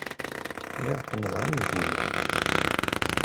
Lliɣ ḥemmleɣ ingulen.